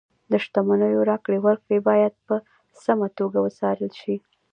د شتمنیو راکړې ورکړې باید په سمه توګه وڅارل شي.